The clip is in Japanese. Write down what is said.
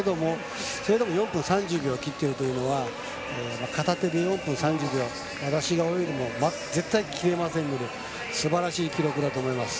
それでも４分３０秒を切っているというのは片手で４分３０秒、私が泳いでも絶対切れませんのですばらしい記録だと思います。